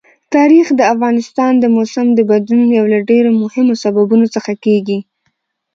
تاریخ د افغانستان د موسم د بدلون یو له ډېرو مهمو سببونو څخه کېږي.